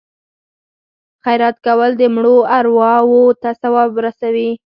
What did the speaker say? خیرات کول د مړو ارواو ته ثواب رسوي.